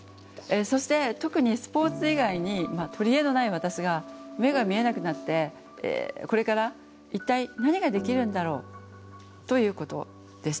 そして特にスポーツ以外に取り柄のない私が目が見えなくなってこれから一体何ができるんだろうということでした。